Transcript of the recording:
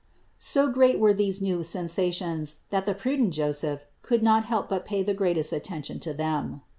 204. So great were these new sensations, that the prudent Joseph could not help but pay the greatest at tention to them.